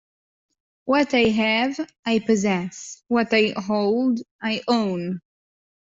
What I have, I possess; what I hold, I own.